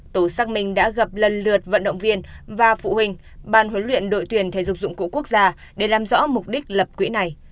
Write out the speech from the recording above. tổ xác minh đã gặp lần lượt vận động viên và phụ huynh ban huấn luyện đội tuyển thể dục dụng cụ quốc gia để làm rõ mục đích lập quỹ này